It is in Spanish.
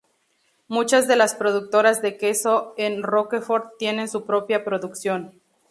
Muchas de las productoras de queso en Roquefort tienen su propia producción.